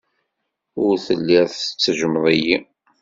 Ur telliḍ tettejjmeḍ-iyi.